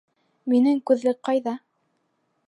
Минең күҙлек ҡайҙа?